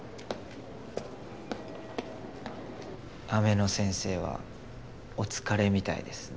雨野先生はお疲れみたいですね。